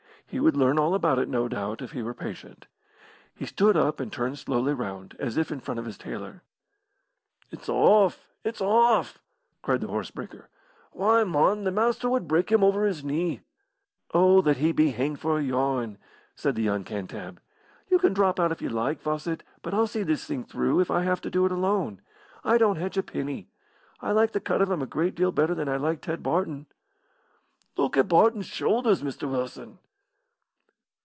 He would learn all about it, no doubt, if he were patient. He stood up and turned slowly round, as if in front of his tailor. "It's off! It's off!" cried the horse breaker. "Why, mon, the Master would break him over his knee." "Oh, that be hanged for a yarn!" said the young Cantab. "You can drop out if you like, Fawcett, but I'll see this thing through, if I have to do it alone. I don't hedge a penny. I like the cut of him a great deal better than I liked Ted Barton." "Look at Barton's shoulders, Mr. Wilson."